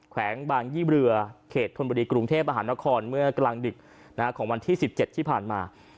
แขวงบางยี่เรือเขตธนบุรีกรุงเทพมหานครเมื่อกลางดึกของวันที่๑๗ที่ผ่านมา